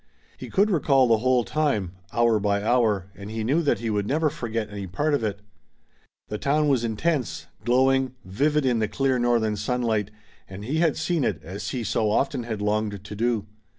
He could recall the whole time, hour by hour, and he knew that he would never forget any part of it. The town was intense, glowing, vivid in the clear northern sunlight, and he had seen it, as he so often had longed to do.